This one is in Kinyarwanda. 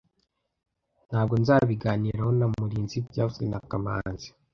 Ntabwo nzabiganiraho na Murinzi byavuzwe na kamanzi